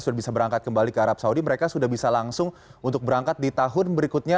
sudah bisa berangkat kembali ke arab saudi mereka sudah bisa langsung untuk berangkat di tahun berikutnya